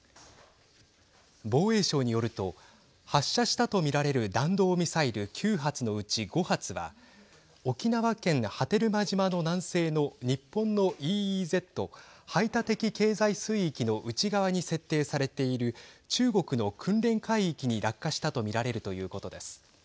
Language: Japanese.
防衛省によると発射したと見られる弾道ミサイル９発のうち５発は、沖縄県波照間島の南西の日本のＥＥＺ＝排他的経済水域の内側に設定されている中国の訓練海域に落下したと見られるということです。